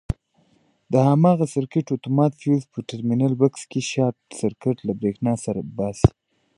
د هماغه سرکټ اتومات فیوز په ټرمینل بکس کې شارټ سرکټ له برېښنا باسي.